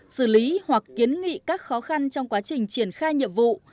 xử lý hoặc kiến nghị các khó khăn trong quá trình triển khai nhiệm vụ